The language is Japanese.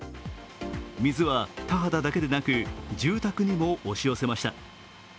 水は田畑だけでなく住宅にも押し寄せました。